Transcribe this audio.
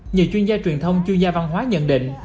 nhiều chuyên gia truyền thông chuyên gia văn hóa nhận định